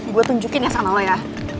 gue tunjukin ya sama lo ya